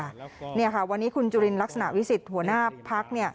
แล้วก็วันนี้คุณจุลินลักษณะวิสิทธิ์หัวหน้าภาค